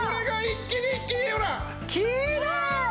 きれい！